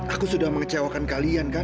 aku sudah mengecewakan kalian kan